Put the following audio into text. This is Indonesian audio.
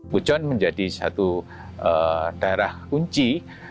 pujon menjadi satu daerah kunci